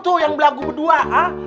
siapa yang belagu berdua hah